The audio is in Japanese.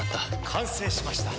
完成しました。